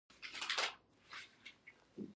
حکومت باید په دوبي کي دوا پاشي وکي.